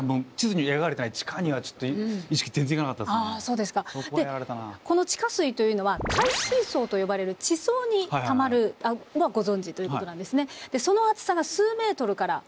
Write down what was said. でこの地下水というのは帯水層と呼ばれる地層にたまるのはご存じということなんですね。